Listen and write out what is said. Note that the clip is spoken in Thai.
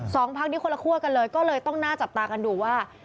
พักนี้คนละคั่วกันเลยก็เลยต้องน่าจับตากันดูว่า